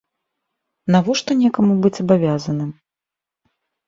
Навошта некаму быць абавязаным?